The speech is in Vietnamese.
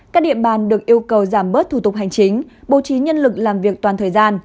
các địa bàn được yêu cầu giảm bớt thủ tục hành chính bố trí nhân lực làm việc toàn thời gian